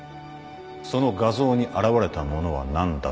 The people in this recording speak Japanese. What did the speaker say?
その画像に現れたものは何だったか？